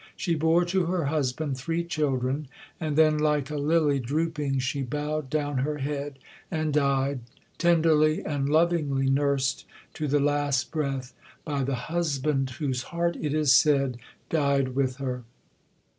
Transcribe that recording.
She bore to her husband three children; and then, "like a lily drooping, she bowed down her head and died," tenderly and lovingly nursed to the last breath by the husband whose heart, it is said, died with her.